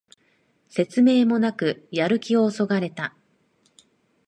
説明もなくやる気をそがれた